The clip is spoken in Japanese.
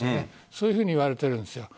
そういうふうにいわれているんです。